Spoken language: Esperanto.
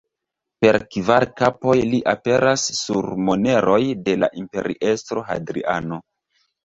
Per kvar kapoj li aperas sur moneroj de la imperiestro Hadriano.